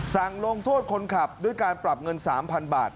ลงโทษคนขับด้วยการปรับเงิน๓๐๐๐บาท